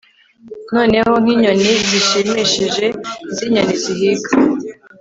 noneho, nkinyoni zishimishije zinyoni zihiga